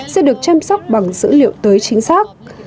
sẽ được chăm sóc bằng dữ liệu tới chính xác